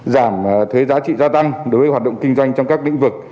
giảm thuế giá trị gia tăng đối với hoạt động kinh doanh trong các lĩnh vực